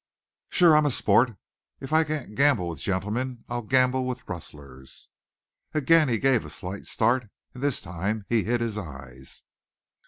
"Sure. I'm a sport. If I can't gamble with gentlemen I'll gamble with rustlers." Again he gave a slight start, and this time he hid his eyes.